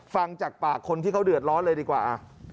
ฟังจากปากคนที่เขาเดือดร้อนเลยดีกว่า